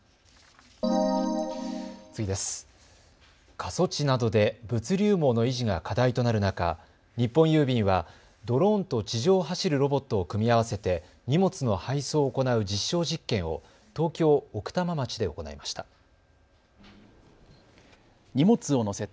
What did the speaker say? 過疎地などで物流網の維持が課題となる中、日本郵便はドローンと地上を走るロボットを組み合わせて荷物の配送を行う実証実験を東京奥多摩町で行いました。